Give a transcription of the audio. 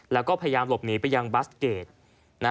แล้วก็พยายามหลบหนีไปยังบัสเกจ